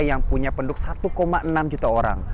yang punya penduduk satu enam juta orang